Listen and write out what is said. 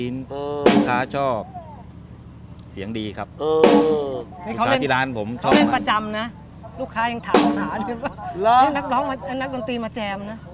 นักดดั้งนางตีมาแจมนะ